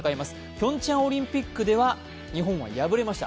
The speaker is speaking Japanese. ピョンチャンオリンピックでは日本は敗れました。